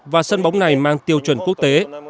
và sân bóng này mang tiêu chuẩn quốc tế